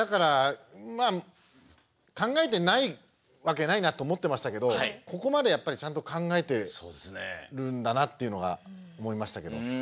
まあ考えてないわけないなって思ってましたけどここまでやっぱりちゃんと考えてるんだなっていうのが思いましたけど。